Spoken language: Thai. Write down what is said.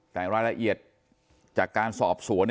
แต่รายละเอียดจากการสอบสวน